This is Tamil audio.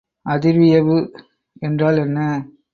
அதிர்வியைவு என்றால் என்ன?